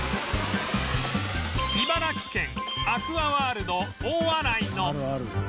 茨城県アクアワールド・大洗の